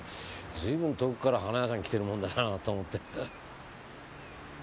ずいぶん遠くから花屋さん来てるもんだなぁと思って。